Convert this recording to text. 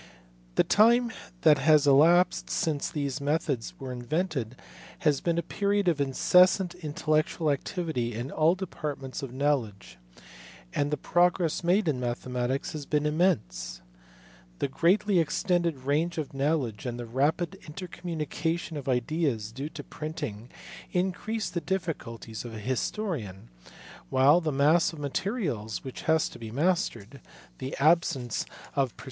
The time that has elapsed since these methods were in vented has been a period of incessant intellectual activity in all departments of knowledge, and the progress made in mathe matics has been immense. The greatly extended range of knowledge and the rapid intercommunication of ideas due to printing increase the difficulties of a historian ; while the mass of materials which has to be mastered, the absence of per FEATURES OF MODERN MATHEMATICS.